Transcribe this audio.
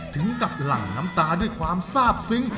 ถึงกับหลั่งน้ำตาด้วยความทราบซึ้ง